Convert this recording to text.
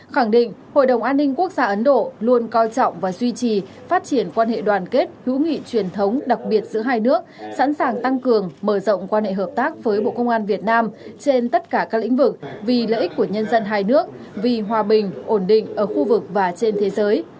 khẳng định hội đồng an ninh quốc gia ấn độ luôn coi trọng và duy trì phát triển quan hệ đoàn kết hữu nghị truyền thống đặc biệt giữa hai nước sẵn sàng tăng cường mở rộng quan hệ hợp tác với bộ công an việt nam trên tất cả các lĩnh vực vì lợi ích của nhân dân hai nước vì hòa bình ổn định ở khu vực và trên thế giới